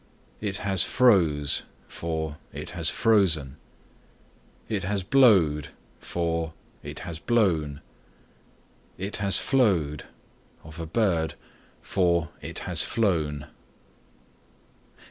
"It has froze" for "It has frozen." "It has blowed" for "It has blown." "It has flowed" (of a bird) for "It has flown."